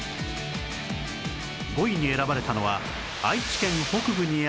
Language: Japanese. ５位に選ばれたのは愛知県北部にある